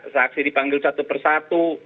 saksi dipanggil satu persatu